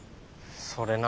それな。